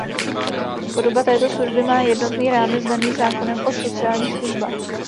Podoba této služby má jednotný rámec daný zákonem o sociálních službách.